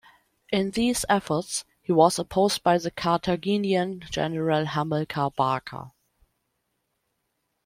In these efforts, he was opposed by the Carthaginian general Hamilcar Barca.